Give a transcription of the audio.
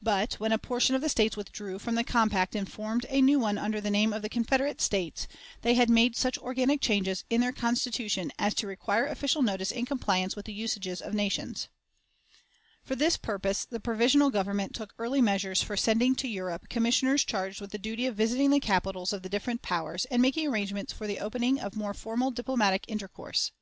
But, when a portion of the States withdrew from the compact and formed a new one under the name of the Confederate States, they had made such organic changes in their Constitution as to require official notice in compliance with the usages of nations. For this purpose the Provisional Government took early measures for sending to Europe Commissioners charged with the duty of visiting the capitals of the different powers and making arrangements for the opening of more formal diplomatic intercourse.